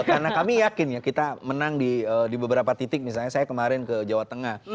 karena kami yakin ya kita menang di beberapa titik misalnya saya kemarin ke jawa tengah